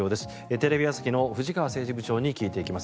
テレビ朝日の藤川政治部長に聞いていきます。